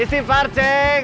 istri par ceng